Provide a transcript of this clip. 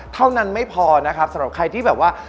เท่านั้นไม่พอนะครับสำหรับใครที่แบบว่า